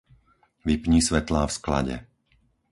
Vypni svetlá v sklade.